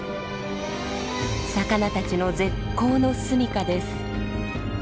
魚たちの絶好の住みかです。